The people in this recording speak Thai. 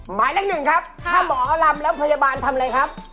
หมายเลขหนึ่งครับถ้าหมอลำแล้วพยาบาลทำอะไรครับ